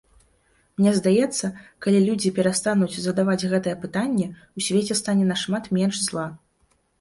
Мне здаецца, калі людзі перастануць задаваць гэтае пытанне, у свеце стане нашмат менш зла.